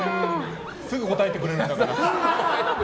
すぐ答えてくれるんだから。